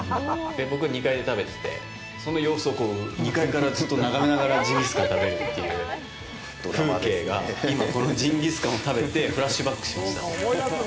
僕は２階で食べててその様子を２階からずっと眺めながらジンギスカンを食べるという風景が今、このジンギスカンを食べてフラッシュバックしました。